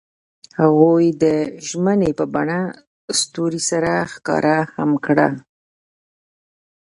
هغوی د ژمنې په بڼه ستوري سره ښکاره هم کړه.